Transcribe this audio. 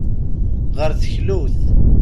Ɣer teklut.